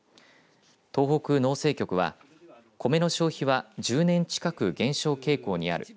東北農政局はコメの消費は１０年近く減少傾向にある。